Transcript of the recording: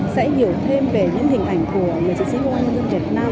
sẽ hiểu thêm về những hình ảnh của người chiến sĩ công an nhân dân việt nam